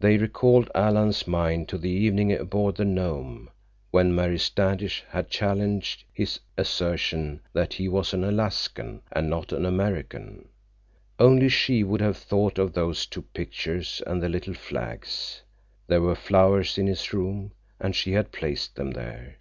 They recalled Alan's mind to the evening aboard the Nome when Mary Standish had challenged his assertion that he was an Alaskan and not an American. Only she would have thought of those two pictures and the little flags. There were flowers in his room, and she had placed them there.